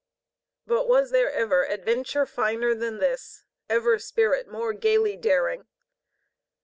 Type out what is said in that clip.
But was there ever adventure finer than this, ever spirit more gayly daring?